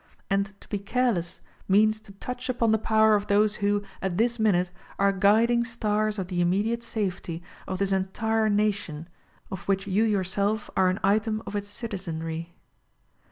And to be careless means to touch upon the power of those who, at this minute, are guiding stars of the immediate safety of this entire nation, of which you yourself, are an item of its citizenry.